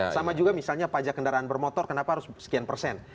sama juga misalnya pajak kendaraan bermotor kenapa harus sekian persen